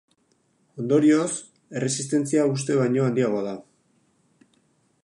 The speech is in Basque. Ondorioz, erresistentzia uste baino handiagoa da.